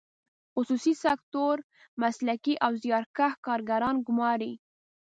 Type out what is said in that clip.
خصوصي سکتور مسلکي او زیارکښ کارګران ګماري.